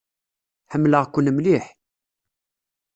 Ḥemmleɣ-ken mliḥ.